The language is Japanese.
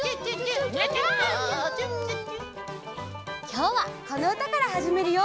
きょうはこのうたからはじめるよ！